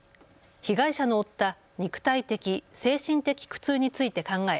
被害者の負った肉体的、精神的苦痛について考え